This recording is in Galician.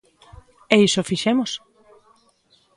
E iso fixemos.